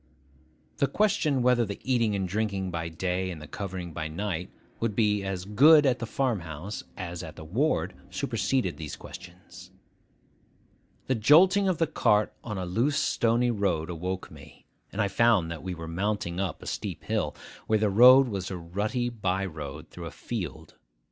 The question whether the eating and drinking by day, and the covering by night, would be as good at the farm house as at the ward superseded those questions. The jolting of the cart on a loose stony road awoke me; and I found that we were mounting a steep hill, where the road was a rutty by road through a field.